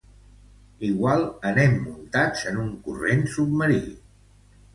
Igual anem muntats en un corrent submarí.